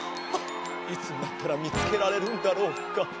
ああいつになったらみつけられるんだろうか。